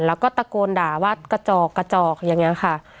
แล้วก็ตะโกนด่าว่ากระจอกกระจอกอย่างนี้ค่ะ